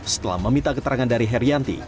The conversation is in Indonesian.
setelah meminta keterangan dari herianti